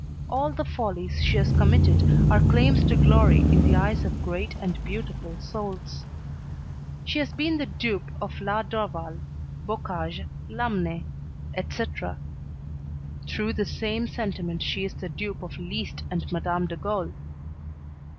All the follies she has committed are claims to glory in the eyes of great and beautiful souls. She has been the dupe of la Dorval, Bocage, Lamenais, etc.; through the same sentiment she is the dupe of Liszt and Madame d'Agoult.